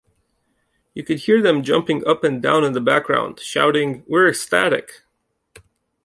You could hear them jumping up and down in the background, shouting 'We're ecstatic.